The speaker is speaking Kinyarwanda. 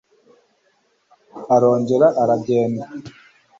arongera aragenda